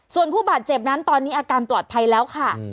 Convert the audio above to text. ส่วนผู้บาดเจ็บนั้นตอนนี้อาการปลอดภัยแล้วค่ะ